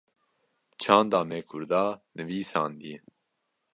çanda me Kurda nivîsandiye